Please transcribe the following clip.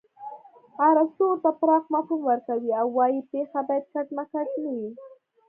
ارستو ورته پراخ مفهوم ورکوي او وايي پېښه باید کټ مټ نه وي